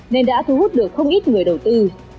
nên đã thu hút được không ít người đầu tư